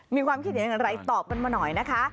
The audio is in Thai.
มีความคิดเห็นอย่างไรตอบกันมาหน่อยนะคะ